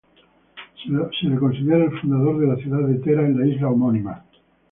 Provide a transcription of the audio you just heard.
Se lo considera el fundador de la ciudad de Tera en la isla homónima.